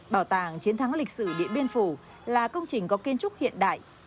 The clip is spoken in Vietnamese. bảo tàng chiến thắng lịch sử điện biên phủ là công trình có kiên trúc hiện đại